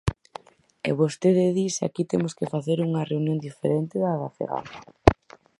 E vostede di se aquí temos que facer unha reunión diferente da da Fegamp.